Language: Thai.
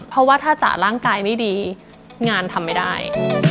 เพราะว่าถ้าจ๋าร่างกายไม่ดีงานทำไม่ได้